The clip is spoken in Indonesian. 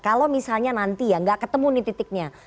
kalau misalnya nanti ya nggak ketemu nih titiknya